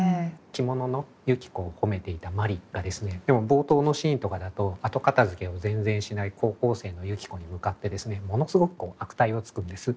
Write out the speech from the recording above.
着物の雪子を褒めていた麻里がですねでも冒頭のシーンとかだと後片付けを全然しない高校生の雪子に向かってですねものすごく悪態をつくんです。